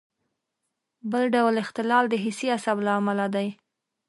بل ډول اختلال د حسي عصب له امله دی.